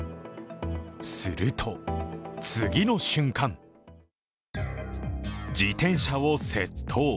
すると次の瞬間、自転車を窃盗。